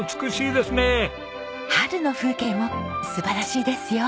春の風景も素晴らしいですよ！